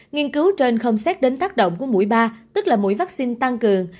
nghiên cứu trên không xét đến tác động của mũi ba tức là mũi vaccine tăng cường